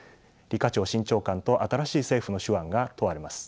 李家超新長官と新しい政府の手腕が問われます。